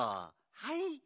はい。